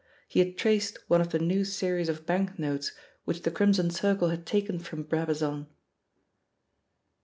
He had traced one of the new series of bank notes which the Crimson Circle had taken from Brabazon.